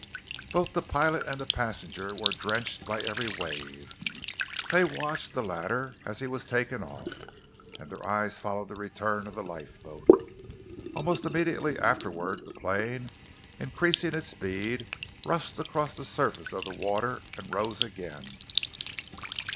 Both the pilot and the passenger were drenched by every wave. They watched the latter as he was taken off, and their eyes followed the return of the lifeboat. Almost immediately afterwards the plane, increasing its speed, rushed across the surface of the water and rose again.